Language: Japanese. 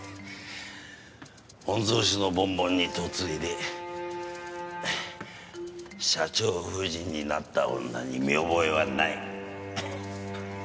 御曹司のボンボンに嫁いで社長夫人になった女に見覚えはない。